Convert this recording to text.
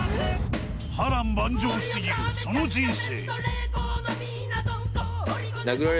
波乱万丈すぎるその人生。